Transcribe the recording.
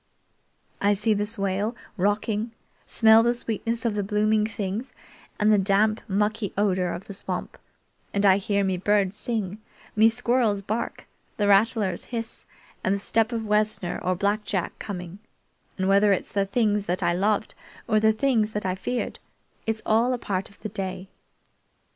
I see the swale rocking, smell the sweetness of the blooming things, and the damp, mucky odor of the swamp; and I hear me birds sing, me squirrels bark, the rattlers hiss, and the step of Wessner or Black Jack coming; and whether it's the things that I loved or the things that I feared, it's all a part of the day.